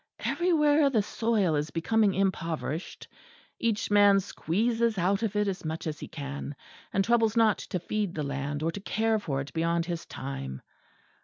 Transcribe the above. Everywhere the soil is becoming impoverished; each man squeezes out of it as much as he can, and troubles not to feed the land or to care for it beyond his time.